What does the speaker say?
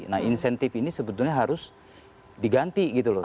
nah insentif ini sebetulnya harus diganti gitu loh